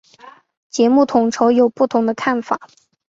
节目统筹有不同的看法。